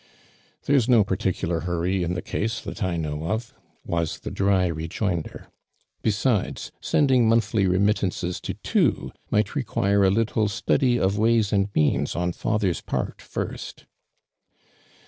"There's no particular hurry in the cjino that I know of," was the dry n joinder. " Besides, sending monthly remittanres to two might reouire a little study of ways and means on father's part fii st."